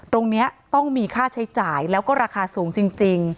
ตรงนี้ต้องมีค่าใช้จ่ายแล้วก็ราคาสูงจริง